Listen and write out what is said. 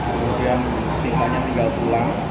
kemudian sisanya tinggal pulang